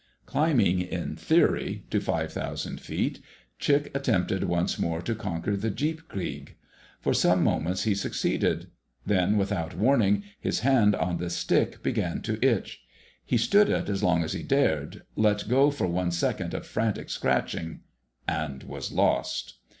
Climbing (in theory) to five thousand feet, Chick attempted once more to conquer the "jeepkrieg." For some moments he succeeded. Then, without warning, his hand on the stick began to itch. He stood it as long as he dared, let go for one second of frantic scratching—and was lost.